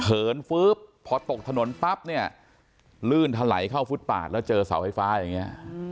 เหินฟื๊บพอตกถนนปั๊บเนี่ยลื่นถลายเข้าฟุตปาดแล้วเจอเสาไฟฟ้าอย่างนี้